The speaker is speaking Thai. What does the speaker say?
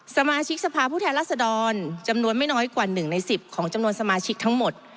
สมาชิกสภาพผู้แทนรัศดรจำนวนไม่น้อยกว่า๑ใน๑๐ของจำนวนสมาชิกทั้งหมด